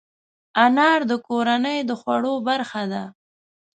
انار د کورنۍ د خوړو برخه ده.